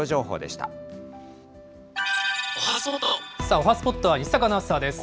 おはＳＰＯＴは西阪アナウンサーです。